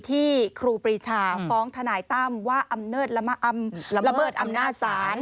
ที่ครูปริชาฟ้องทนายต้ำว่าอำเนิดละเมิดอำนาจฐาน